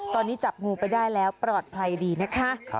ตอนนี้จับงูไปได้แล้วปลอดภัยดีนะคะ